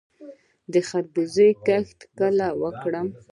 د خربوزو کښت کله وکړم؟